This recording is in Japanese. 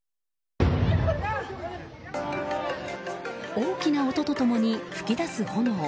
大きな音と共に噴き出す炎。